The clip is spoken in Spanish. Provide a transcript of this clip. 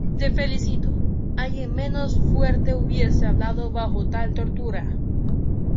Te felicito. Alguien menos fuerte hubiese hablado bajo tal tortura .